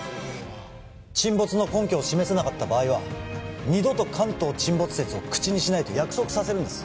沈没の根拠を示せなかった場合は二度と関東沈没説を口にしないと約束させるんです・